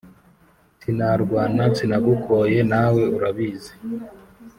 Sinarwana sinagukoye nawe urabizi